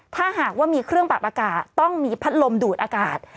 ถ้าหากว่ามีเครื่องปรับอากาศต้องมีพัดลมดูดอากาศ